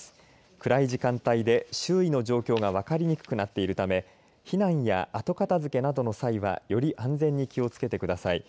暗い時間帯で周囲の状況が分かりにくくなっているため避難や後片づけなどの際はより安全に気をつけてください。